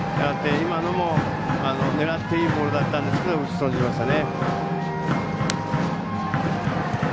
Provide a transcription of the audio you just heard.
今のも狙っていいボールだったんですけど打ち損じましたね。